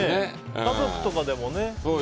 家族とかでもね。